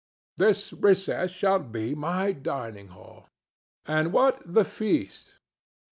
This recess shall be my dining hall. And what the feast?